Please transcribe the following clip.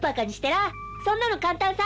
そんなの簡単さ。